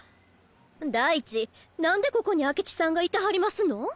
第一何でここに明智さんがいてはりますの？